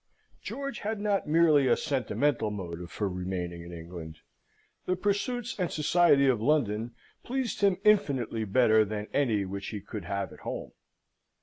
George had not merely a sentimental motive for remaining in England: the pursuits and society of London pleased him infinitely better than any which he could have at home.